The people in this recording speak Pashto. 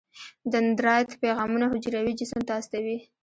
دندرایت پیغامونه حجروي جسم ته استوي.